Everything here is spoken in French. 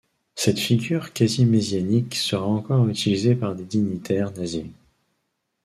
Cette figure quasi-messianique sera encore utilisée par des dignitaires nazis.